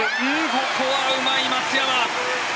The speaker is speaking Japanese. ここはうまい松山。